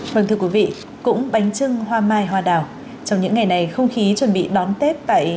vâng thưa quý vị cũng bánh trưng hoa mai hoa đào trong những ngày này không khí chuẩn bị đón tết tại